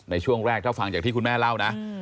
ในช่วงแรกถ้าฟังจากที่คุณแม่เล่านะ